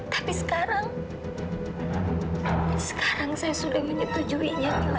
tapi sekarang sekarang saya sudah menyetujuinya